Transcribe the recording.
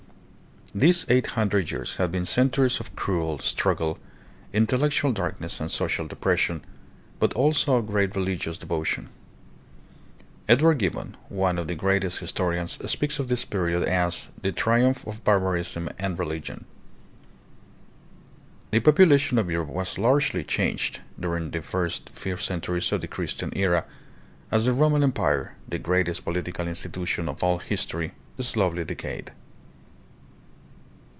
These eight hundred years had been centuries of cruel struggle, intellectual darkness, and social depression, but also of great religious devotion. Edward Gibbon, one of the greatest historians, speaks of this period as " the triumph of barbarism and religion." The population of Europe was largely changed, during the first few centuries of the Christian Era, as the Roman Empire, that greatest political institution of all history, slowly decayed.